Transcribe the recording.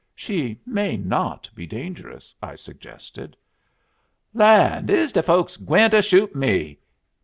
"She may not be dangerous," I suggested. "Land! is dey folks gwineter shoot me?"